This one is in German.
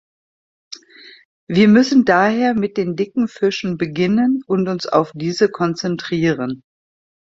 Wir müssen daher mit den dicken Fischen beginnen und uns auf diese konzentrieren.